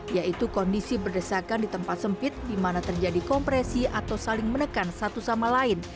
yaitu kondisi berdesakan di tempat sempit di mana terjadi kompresi atau saling menekan satu sama lain